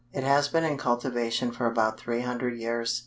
It has been in cultivation for about three hundred years.